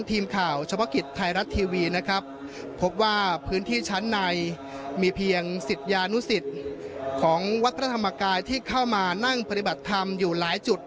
ที่เข้ามานั่งปฏิบัติธรรมอยู่หลายจุด